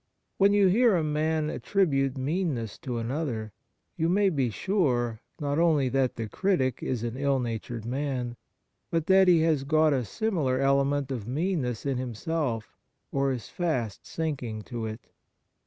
When you hear a man attribute meanness to another, you may be sure, not only that the critic is an ill natured man, but that he has got a similar element of meanness in himself, or is fast sinking to it.